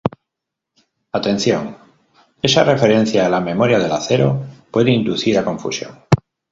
Atención: esa referencia a la "memoria del acero" puede inducir a confusión.